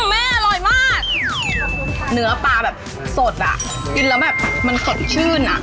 แม่อร่อยมากเนื้อปลาแบบสดอ่ะกินแล้วแบบมันสดชื่นอ่ะ